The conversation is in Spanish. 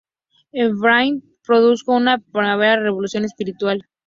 El Ba'al Shem Tov produjo una verdadera revolución espiritual.